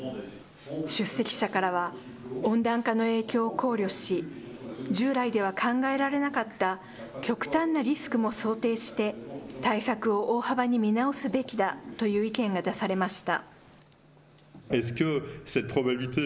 出席者からは、温暖化の影響を考慮し、従来では考えられなかった極端なリスクも想定して、対策を大幅に見直すべきだという意見が出されました。